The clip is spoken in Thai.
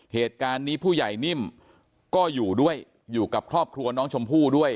เหตุการณ์นี้ผู้ใหญ่นิ่มก็อยู่ด้วยอยู่กับครอบครัวน้องชมพู่ด้วย